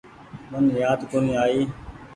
من يآد ڪونيٚ آئي۔